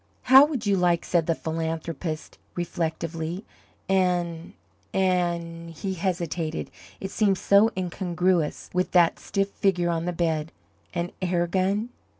"How would you like," said the philanthropist, reflectively, "an an " he hesitated, it seemed so incongruous with that stiff figure on the bed "an airgun?"